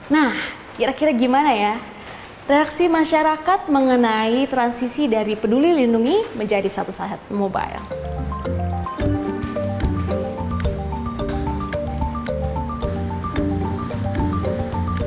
nah kira kira gimana ya reaksi masyarakat mengenai transisi dari peduli lindungi menjadi satu saat mobile